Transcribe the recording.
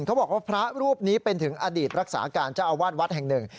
เขาบอกว่าพระรูปนี้เป็นถึงอดีตรักษาการเจ้าอาวาสวัดแห่งหนึ่ง